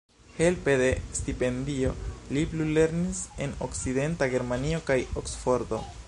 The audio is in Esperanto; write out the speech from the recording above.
Helpe de stipendio li plulernis en Okcidenta Germanio kaj Oksfordo.